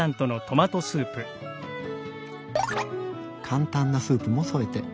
簡単なスープも添えて。